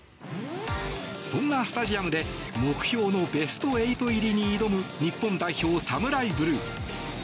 そんなスタジアムで目標のベスト８入りに挑む日本代表サムライブルー。